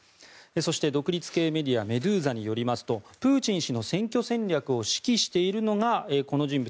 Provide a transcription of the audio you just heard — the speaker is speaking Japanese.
そして、独立系メディアメドゥーザによりますとプーチン氏の選挙戦略を指揮しているのがこの人物